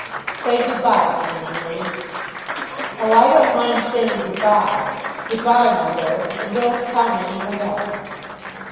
"Say good bye to me, Marie." "Oh, I don't mind saying good bye. Good bye, my lord; and don't come any more."